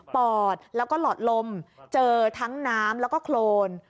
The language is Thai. ปอดแล้วก็หลอดลมเจอทั้งน้ำแล้วก็โครน